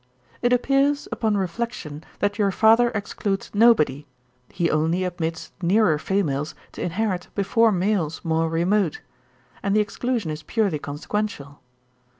'It appears, upon reflection, that your father excludes nobody; he only admits nearer females to inherit before males more remote; and the exclusion is purely consequential.